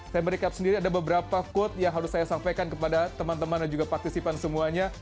saya merecap sendiri ada beberapa quote yang harus saya sampaikan kepada teman teman dan juga partisipan semuanya